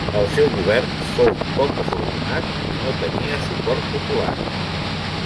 El seu govern fou poc afortunat i no tenia suport popular.